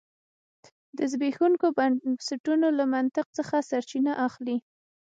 د زبېښونکو بنسټونو له منطق څخه سرچینه اخلي.